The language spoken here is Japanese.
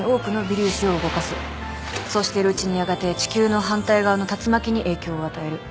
そうしているうちにやがて地球の反対側の竜巻に影響を与える。